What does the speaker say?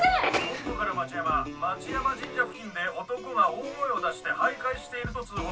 本部から町山町山神社付近で男が大声を出して徘徊していると通報あり。